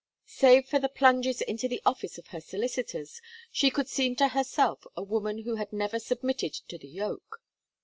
Save for the plunges into the office of her solicitors, she could seem to herself a woman who had never submitted to the yoke.